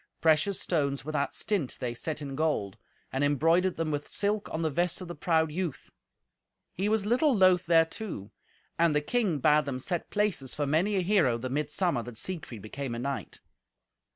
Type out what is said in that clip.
Precious stones without stint they set in gold, and embroidered them with silk on the vest of the proud youth. He was little loth thereto. And the king bade them set places for many a hero the mid summer that Siegfried became a knight.